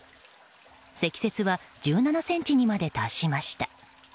積雪は１７ｃｍにまで達しました。